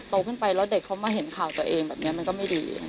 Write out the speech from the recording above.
ขึ้นไปแล้วเด็กเขามาเห็นข่าวตัวเองแบบนี้มันก็ไม่ดี